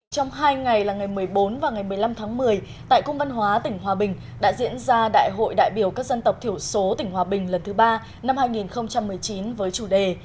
trong hai ngày là ngày một mươi bốn và ngày một mươi năm tháng một mươi tại cung văn hóa tỉnh hòa bình đã diễn ra đại hội đại biểu các dân tộc thiểu số tỉnh hòa bình lần thứ ba năm hai nghìn một mươi chín với chủ đề